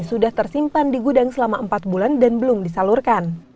sudah tersimpan di gudang selama empat bulan dan belum disalurkan